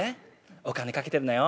お金かけてるのよ」。